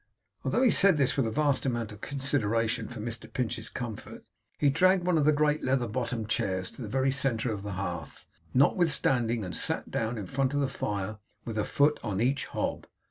Though he said this with a vast amount of consideration for Mr Pinch's comfort, he dragged one of the great leather bottomed chairs to the very centre of the hearth, notwithstanding; and sat down in front of the fire, with a foot on each hob.